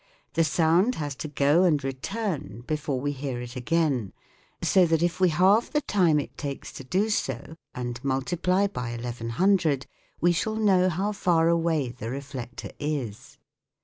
The sound has to go and return before we hear it again, so that if we halve the time it takes to do so and multiply by noo we shall know how far away the reflector is.